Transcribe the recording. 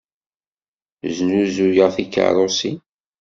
Znuzuyeɣ tikeṛṛusin.